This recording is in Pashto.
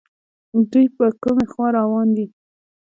دوی په کومې خوا روان دي